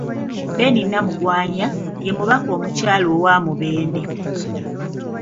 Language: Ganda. Benny Namugwanya, ye mubaka omukyala owa Mubende.